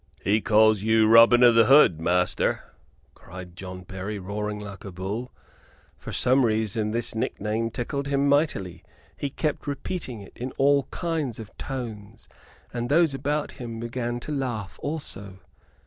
"He calls you Robin o' th' Hood, master!" cried John Berry, roaring like a bull. For some reason this nick name tickled him mightily. He kept repeating it in all kinds of tones, and those about him began to laugh also.